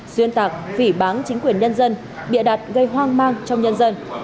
xuyên tạc phỉ bán chính quyền nhân dân bịa đặt gây hoang mang trong nhân dân